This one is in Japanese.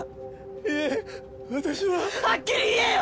いえ私ははっきり言えよ！